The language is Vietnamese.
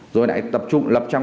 rồi lại tập trung lập trang